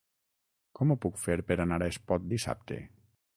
Com ho puc fer per anar a Espot dissabte?